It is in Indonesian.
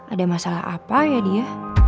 ada masalah apa ya dia